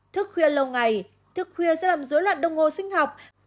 thức khuya lâu ngày thức khuya sẽ làm dối loạn đông hồ sinh học